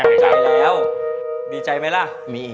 ไปแล้วดีใจไหมแล้ว